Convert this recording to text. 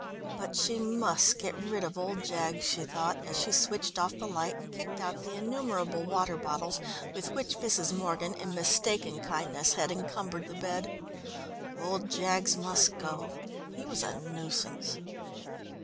But she must get rid of old Jaggs, she thought, as she switched off the light and kicked out the innumerable water bottles, with which Mrs. Morgan, in mistaken kindness, had encumbered the bed ... old Jaggs must go ... he was a nuisance....